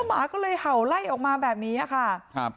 หมาก็เลยเห่าไล่ออกมาแบบนี้ค่ะครับ